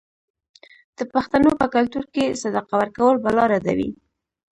د پښتنو په کلتور کې صدقه ورکول بلا ردوي.